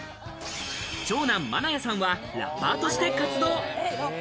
長男・愛弥さんはラッパーとして活動。